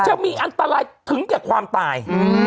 จะมีอันตรายถึงแก่ความตาย